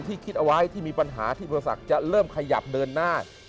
คิดเอาไว้ที่มีปัญหาที่บริษัทจะเริ่มขยับเดินหน้า